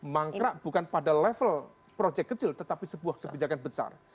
mangkrak bukan pada level project kecil tetapi sebuah kebijakan besar